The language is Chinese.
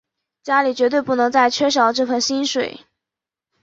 家里绝对不能再缺少这份薪水